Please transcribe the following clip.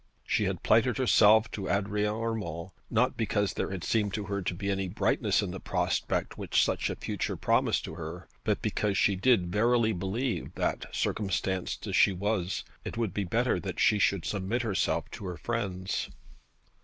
She had plighted herself to Adrian Urmand, not because there had seemed to her to be any brightness in the prospect which such a future promised to her, but because she did verily believe that, circumstanced as she was, it would be better that she should submit herself to her friends.